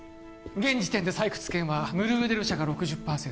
現時点で採掘権はムルーデル社が６０％